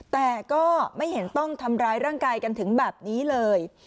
แต่ก็ไม่เห็นต้องทำร้ายร่างกายกันถึงแบบนี้เลย